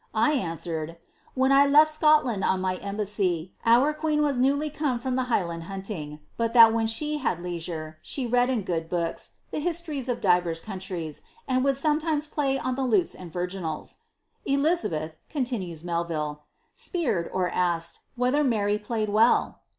I answered, ' When lefl Seoltand on my embassy, our queen was newly come from il . Highland huntings but thai when she had leisure, she read in got I bivika, (he bistoriea of divers countries, and would someiintes play t the Inie and virginals.' Elizabeth," continuea Melville, " apeered ^askn whether Mary played well."